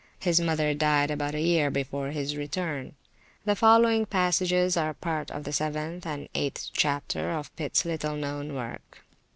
His mother died about a year before his return. The following passages are parts of the 7th and 8th chapters of Pitts little known work.